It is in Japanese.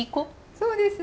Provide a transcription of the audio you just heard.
そうです！